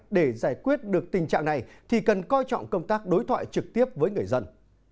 để giải quyết được tình trạng này thì cần coi trọng công tác đối thoại trực tiếp với người dân